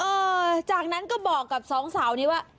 เออจากนั้นก็บอกกับสองสาวนี้ว่า